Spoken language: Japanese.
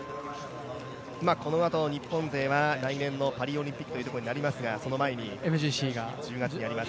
このあと日本勢は来年のパリオリンピックということになりますが、その前に１０月にあります